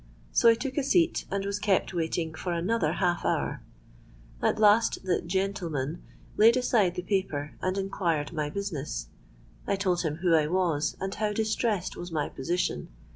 '—So I took a seat, and was kept waiting for another half hour. At last the gentleman laid aside the paper, and enquired my business. I told him who I was, and how distressed was my position.